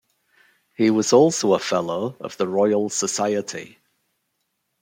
He was also a fellow of the Royal Society.